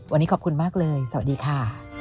วันนี้ขอบคุณมากเลยสวัสดีค่ะ